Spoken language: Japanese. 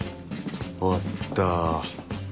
終わった。